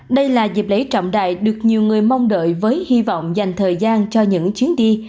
đây là dịp lễ trọng đại được nhiều người mong đợi với hy vọng dành thời gian cho những chuyến đi